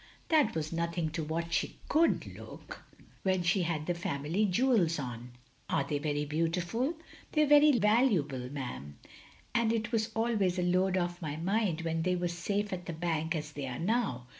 "That was nothing to what she couJd look, when she had the family jewels on. " "Are they very beautiful?" "They 're very valuable, 'm, and it was always a load oft my naind when they was safe at the bank as they are now.